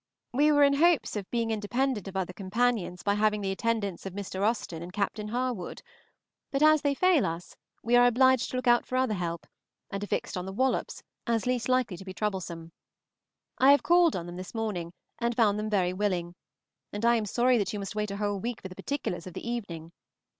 We were in hopes of being independent of other companions by having the attendance of Mr. Austen and Captain Harwood; but as they fail us, we are obliged to look out for other help, and have fixed on the Wallops as least likely to be troublesome. I have called on them this morning and found them very willing, and I am sorry that you must wait a whole week for the particulars of the evening.